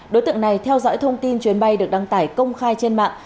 đối tượng này theo dõi thông tin chuyến bay được đăng tải công khai trên mạng